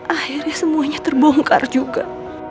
akhirnya semuanya terbongkar juga